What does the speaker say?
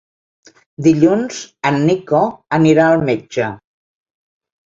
Dilluns en Nico anirà al metge.